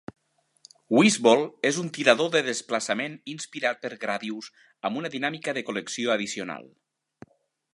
"Wizball" és un tirador de desplaçament inspirat per "Gradius" amb una dinàmica de col·lecció addicional.